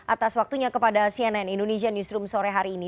atas waktunya kepada cnn indonesia newsroom sore hari ini